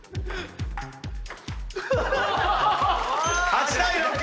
８対６。